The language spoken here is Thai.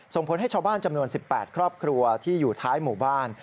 ส่งผลให้ชาวบ้านจำนวน๑๘ครอบครัวที่อยู่ท้ายหมู่บ้าน